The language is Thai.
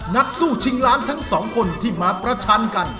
นักสู้ชิงล้านทั้งสองคนที่มาประชันกัน